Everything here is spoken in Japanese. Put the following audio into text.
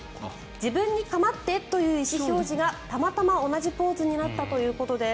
自分に構ってという意思表示がたまたま同じポーズになったということです。